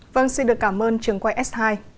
vâng xin được cảm ơn trường quay s hai